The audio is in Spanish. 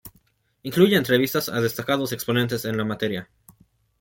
Incluye entrevistas a destacados exponentes de la materia.